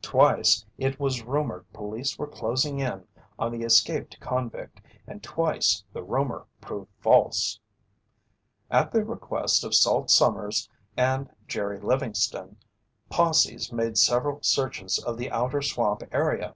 Twice, it was rumored police were closing in on the escaped convict, and twice the rumor proved false. At the request of Salt Sommers and Jerry Livingston, posses made several searches of the outer swamp area.